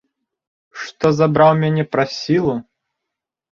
Што забраў мяне праз сілу?